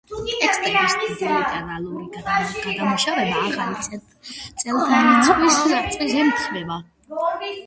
ტექსტების დიდი ლიტერატურული გადამუშავება ახალი წელთაღრიცხვის საწყისს ემთხვევა.